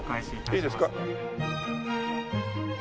いいですか？